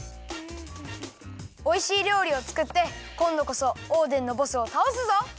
おいしいりょうりをつくってこんどこそオーデンのボスをたおすぞ！